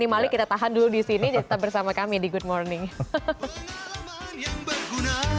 denny malik kita tahan dulu disini dan tetep bersama kami di good morning